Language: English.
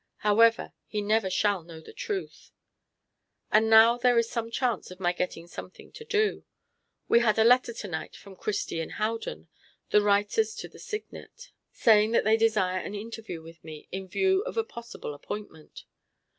However, he never shall know the truth. And now there is some chance of my getting something to do. We had a letter to night from Christie & Howden, the writers to the Signet, saying that they desire an interview with me, in view of a possible appointment.